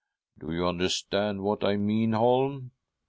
"Do you understand what I mean, Holm?"